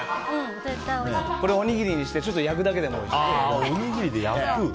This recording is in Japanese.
これ、おにぎりにしてちょっと焼くだけでもおいしいですね。